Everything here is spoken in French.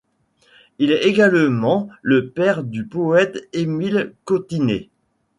Il est également le père du poète Émile Cottinet.